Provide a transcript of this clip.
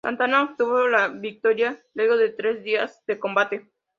Santana obtuvo la victoria luego de tres días de combate.